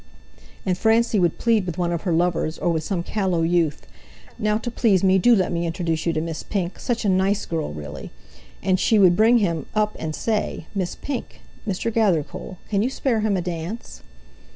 And Francie would plead with one of her lovers, or with some callow youth: "Now, to please me, do let me introduce you to Miss Pink; such a nice girl, really!" and she would bring him up, and say: "Miss Pink—Mr. Gathercole. Can you spare him a dance?"